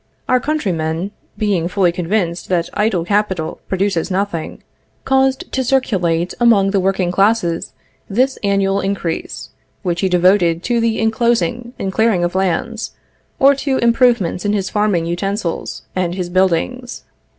Our countryman, being fully convinced that idle capital produces nothing, caused to circulate among the working classes this annual increase, which he devoted to the inclosing and clearing of lands, or to improvements in his farming utensils and his buildings.